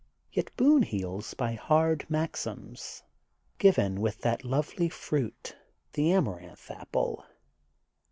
Yet Boone heals by hard maxims, given with that lovely fruit, the Amaranth Apple.